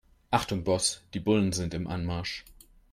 Achtung Boss, die Bullen sind im Anmarsch.